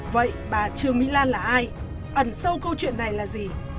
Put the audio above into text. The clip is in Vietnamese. vậy bà trương mỹ lan là ai ẩn sâu câu chuyện này là gì